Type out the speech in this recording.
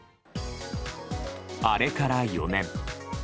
あれから４年。